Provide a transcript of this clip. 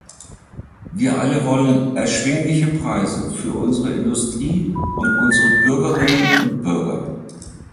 Wir alle wollen erschwingliche Preise für unsere Industrie und unsere Bürgerinnen und Bürger.